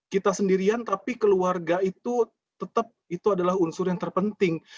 kita sendirian tapi keluarga itu tetap itu adalah unsur yang terpenting